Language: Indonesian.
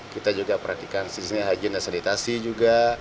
kita juga perhatikan di sini hajin dan sanitasi juga